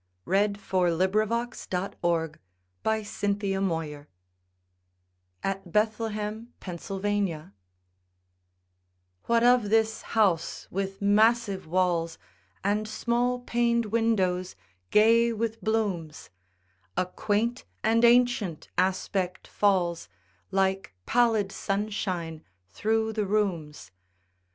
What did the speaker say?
Sarah Orne Jewett The Widow's House (At Bethlehem, Pennsylvania) WHAT of this house with massive walls And small paned windows, gay with blooms? A quaint and ancient aspect falls Like pallid sunshine through the rooms.